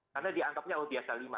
karena dianggapnya oh biasa lima